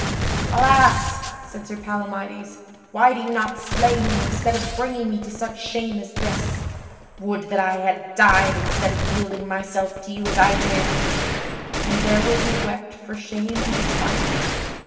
"Alas!" said Sir Palamydes, "why do you not slay me instead of bringing me to such shame as this! Would that I had died instead of yielding myself to you as I did." And therewith he wept for shame and despite.